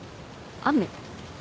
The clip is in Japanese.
雨？